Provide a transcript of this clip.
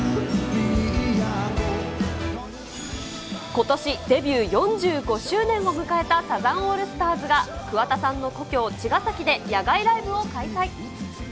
ことしデビュー４５周年を迎えたサザンオールスターズが、桑田さんの故郷、茅ヶ崎で野外ライブを開催。